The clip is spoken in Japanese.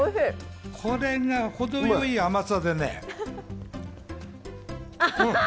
これが程よい甘さでね。